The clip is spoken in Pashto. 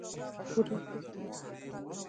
د بوډا قاضیانو له وسه پورته خبره ده.